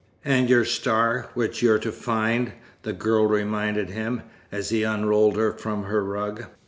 "And your star, which you're to find," the girl reminded him, as he unrolled her from her rug.